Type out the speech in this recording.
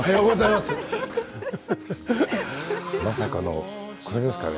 まさかの、これですかね。